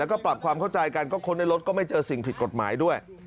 แล้วก็ปรับความเข้าใจกันก็ค้นในรถก็ไม่เจอสิ่งผิดกฎหมายด้วย